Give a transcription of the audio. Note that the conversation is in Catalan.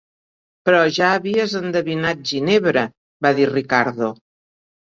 "Però ja havies endevinat 'Ginebra'", va dir Ricardo.